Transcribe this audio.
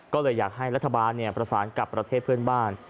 ก็เลยอยากให้รัฐบาลประสานกับประเทศเพื่อนบ้าน